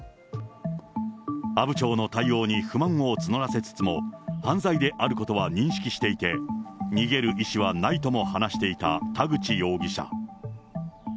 阿武町の対応に不満を募らせつつも、犯罪であることは認識していて、逃げる意思はないとも話していた田口容疑者。